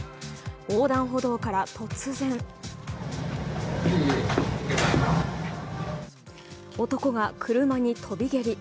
横断歩道から突然男が車に飛び蹴り。